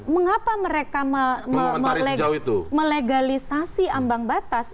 mengapa mereka melegalisasi ambang batas